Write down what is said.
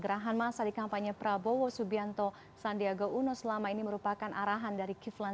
gerak ama saat ikan kpobowo subianto sandiaga uno selama ini merupakan arahan dari kiflan zain